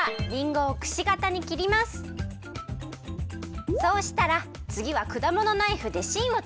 そうしたらつぎはくだものナイフでしんをとるよ。